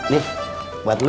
nih buat lo